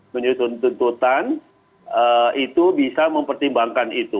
menyusun tuntutan itu bisa mempertimbangkan itu